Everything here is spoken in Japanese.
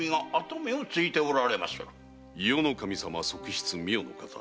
伊予守様側室・美代の方。